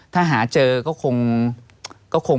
ถ้าหาเจอก็คง